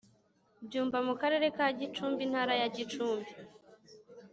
Byumba mu Karere ka Gicumbi Intara ya Gicumbi